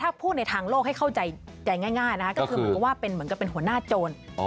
ถ้าพูดในทางโลกให้เข้าใจง่ายก็คือเหมือนกับเป็นหัวหน้าโจร